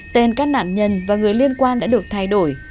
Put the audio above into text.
tên các nạn nhân và người liên quan đã được thay đổi